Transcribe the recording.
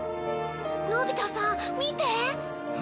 のび太さん見て。